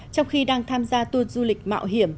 trong khi đang tham gia tour du lịch mạo hiểm